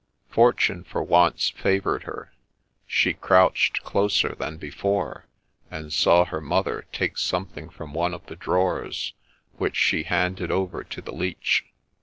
Fortune for once favoured her : she crouched closer than before, and saw her mother take something from one of the drawers, which she handed over to the Leech.